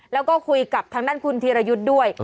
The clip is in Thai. แล้วก็คุยกับทางด้านคุณธีรยุทธ์ด้วย